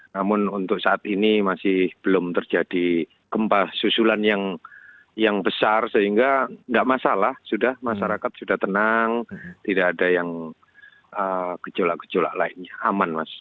namun untuk saat ini masih belum terjadi gempa susulan yang besar sehingga tidak masalah sudah masyarakat sudah tenang tidak ada yang gejolak gejolak lainnya aman mas